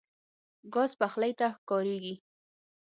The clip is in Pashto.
ګاز پخلی ته کارېږي.